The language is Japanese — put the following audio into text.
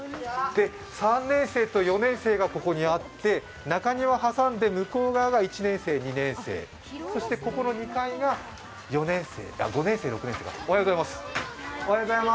３年生と４年生がここにあって、中庭挟んで向こう側が１年生、２年生、そしてここの２階が５年生、６年生か。